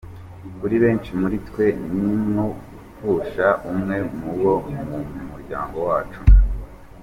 Kuri benshi muri twe, ni nko gupfusha umwe mu bo mu muryango wacu.